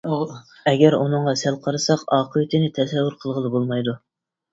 ئەگەر ئۇنىڭغا سەل قارىساق، ئاقىۋىتىنى تەسەۋۋۇر قىلغىلى بولمايدۇ.